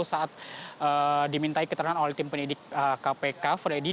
saat dimintai keterangan oleh tim penyidik kpk freddy